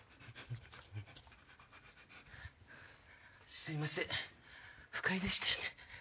すいません不快でしたよね。